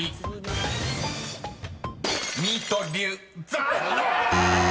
［残念！］